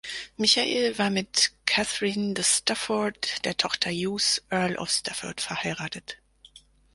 Michael war mit Katherine de Stafford, der Tochter Hughs, Earl of Stafford verheiratet.